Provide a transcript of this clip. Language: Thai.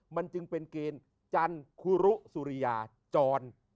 มันจึงเป็นเกณฑ์จันคุรุสุริยาจร